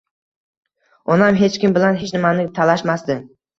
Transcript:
Onam hech kim bilan hech nimani talashmasdi.